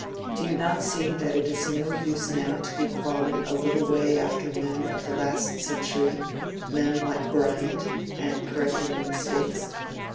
Do you not see that it is no use now to be crawling a little way after men of the last century—men like Bryant—and correcting their mistakes?